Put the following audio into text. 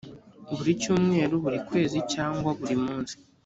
buri cyumweru buri kwezi cyangwa buri munsi